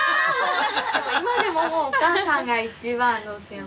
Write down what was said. ・今でももうお母さんが一番どすやん。